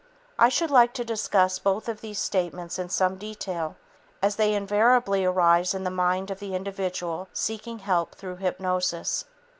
I should like to discuss both of these statements in some detail as they invariably arise in the mind of the individual seeking help through hypnosis.